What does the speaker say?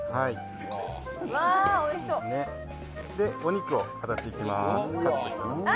お肉を当てていきます。